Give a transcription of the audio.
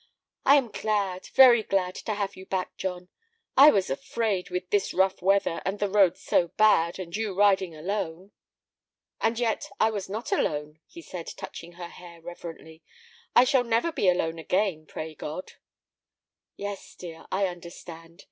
"I am glad, very glad, to have you back, John. I was afraid, with this rough weather, and the roads so bad, and you riding alone." "And yet I was not alone," he said, touching her hair reverently. "I shall never be alone again, pray God." "Yes, dear, I understand."